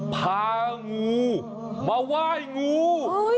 พางูมาไหว้งู